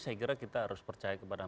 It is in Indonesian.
saya kira kita harus percaya kepada